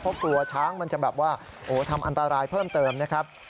เพราะกลัวช้างมันจะแบบว่าทำอันตรายเพิ่มเติมนะครับ